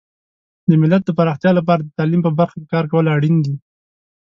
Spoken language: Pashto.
د ملت د پراختیا لپاره د تعلیم په برخه کې کار کول اړین دي.